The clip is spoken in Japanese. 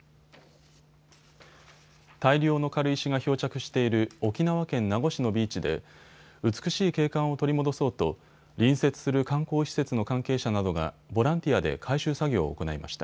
大量の軽石が漂着している沖縄県名護市のビーチで美しい景観を取り戻そうと隣接する観光施設の関係者などがボランティアで回収作業を行いました。